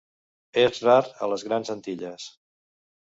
És rar a les Grans Antilles.